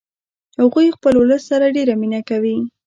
هغوی خپل ولس سره ډیره مینه کوي